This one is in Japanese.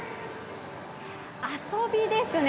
遊びですね。